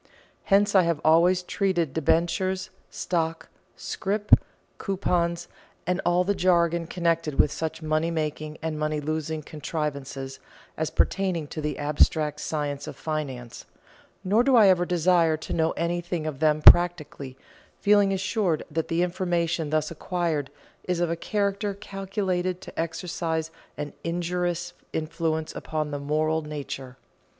Hence I have always treated debentures, stock, scrip, coupons, and all the jargon connected with such money making and money losing contrivances, as pertaining to the abstract science of finance; nor do I ever desire to know anything of them practically, feeling assured that the information thus acquired is of a character calculated to exercise an injurious influence upon the moral nature.